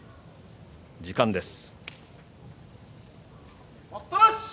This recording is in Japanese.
時間です。